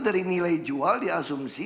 dari nilai jual di asumsi